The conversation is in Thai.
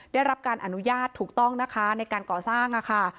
ได้รับการอนุญาตถูกต้องนะคะในการก่อสร้างค่ะ